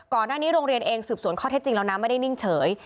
โรงเรียนเองสืบสวนข้อเท็จจริงแล้วนะไม่ได้นิ่งเฉย